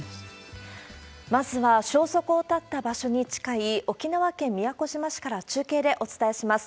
まずは、消息を絶った場所に近い沖縄県宮古島市から中継でお伝えします。